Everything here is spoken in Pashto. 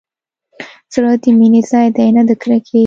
زړه د مينې ځاى دى نه د کرکې.